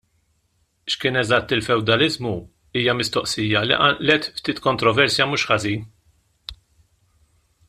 X'kien eżatt il-fewdaliżmu hija mistoqsija li qanqlet ftit kontroversja mhux ħażin.